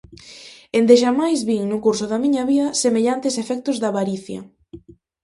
Endexamais vin, no curso da miña vida, semellantes efectos da avaricia.